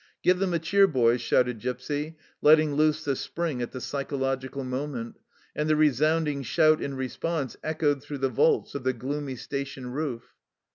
" Give them a cheer, boys !" shouted Gipsy, letting loose the spring at the psychological moment, and the resounding shout in response echoed through the vaults of the gloomy station roof.